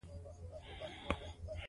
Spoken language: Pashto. دوی د جګړې د اوبو کوهي ساتلې.